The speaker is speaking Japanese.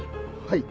はい。